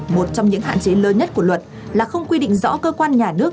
một trong những hạn chế lớn nhất của luật là không quy định rõ cơ quan nhà nước